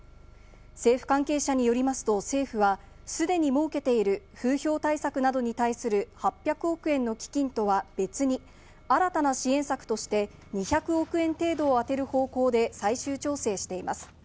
政府関係者によりますと、政府は既に設けている、風評対策などに対する８００億円の基金とは別に、新たな支援策として２００億円程度を充てる方向で最終調整しています。